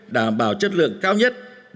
đảm bảo chất lượng cao nhất